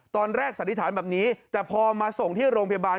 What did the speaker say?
สันนิษฐานแบบนี้แต่พอมาส่งที่โรงพยาบาล